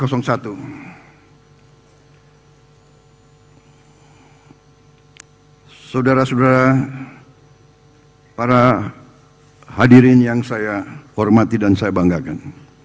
saudara saudara para hadirin yang saya hormati dan saya banggakan